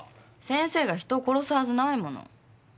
先生が人を殺すはずないもの。